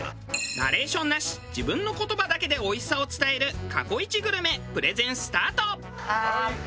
ナレーションなし自分の言葉だけでおいしさを伝える過去イチグルメプレゼンスタート。